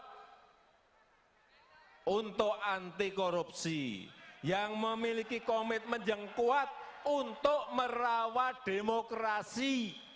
hai untuk anti korupsi yang memiliki komitmen yang kuat untuk merawat demokrasi